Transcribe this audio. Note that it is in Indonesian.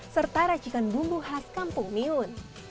serta racikan bumbu khas kampung miun